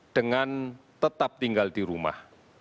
dengan tetap tinggal di rumah